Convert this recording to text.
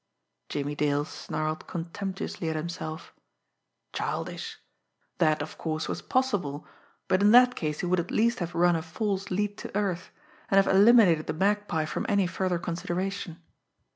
Jimmie Dale snarled contemptuously at himself. Childish! That, of course, was possible but in that case he would at least have run a false lead to earth, and have eliminated the Magpie from any further consideration.